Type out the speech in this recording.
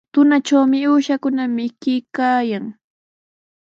Tunatrawmi uushakuna mikuykaayan.